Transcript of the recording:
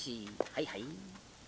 はいはい。